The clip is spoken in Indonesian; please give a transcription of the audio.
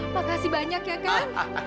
makasih banyak ya kan